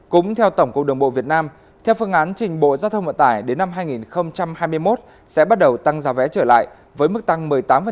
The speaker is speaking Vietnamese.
cũng theo tổng cục đường bộ việt nam theo phương án trình bộ giao thông vận tải đến năm hai nghìn hai mươi một sẽ bắt đầu tăng giá vé trở lại với mức tăng một mươi tám